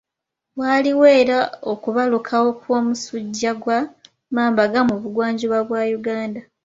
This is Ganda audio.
Waaliwo era okubalukawo kw'omusujja gwa marburg mu bugwanjuba bwa Uganda.